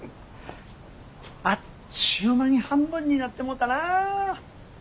あっちゅう間に半分になってもうたなあ。